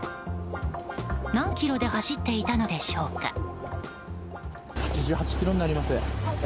何キロで走っていたのでしょうか？